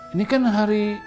ini kan hari